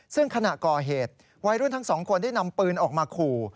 ซึ่งขณะก่อเหตุวัยรุ่นทั้งสองคนได้นำปืนออกมาขู่